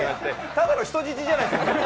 ただの人質じゃないですか。